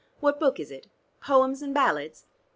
What book is it? 'Poems and Ballads?'